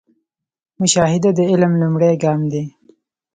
مشاهده د علم لومړی ګام دی